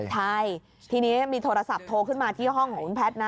ใช่ทีนี้มีโทรศัพท์โทรขึ้นมาที่ห้องของคุณแพทย์นะ